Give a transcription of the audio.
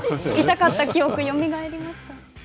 痛かった記憶がよみがえりますか。